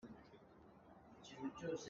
Uico nih a ka dawi.